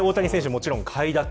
もちろん快諾。